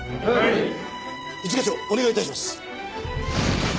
一課長お願い致します。